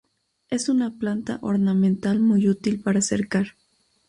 Es una planta ornamental muy útil para cercar.